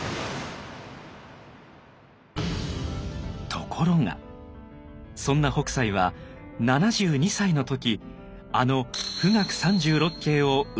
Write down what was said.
ところがそんな北斎は７２歳の時あの「冨嶽三十六景」を生み出します。